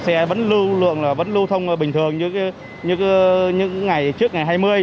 cái lượng xe vẫn lưu thông bình thường như những ngày trước ngày hai mươi